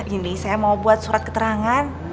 ini saya mau buat surat keterangan